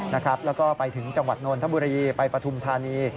แล้วก็ไปถึงจังหวัดนนทบุรีไปปฐุมธานี